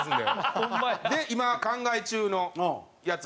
で今考え中のやつ。